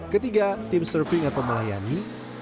ketiga tim surfing atau melayani